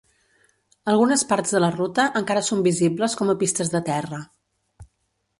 Algunes parts de la ruta encara són visibles com a pistes de terra.